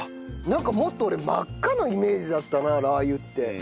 なんかもっと俺真っ赤なイメージだったなラー油って。